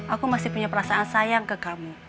aku masih punya perasaan sayang ke kamu